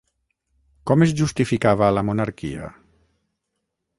Com es justificava la monarquia?